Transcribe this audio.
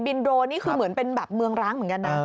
โดรนนี่คือเหมือนเป็นแบบเมืองร้างเหมือนกันนะ